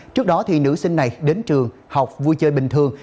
trước đó nữ sinh này đến trường học vui chơi bình thường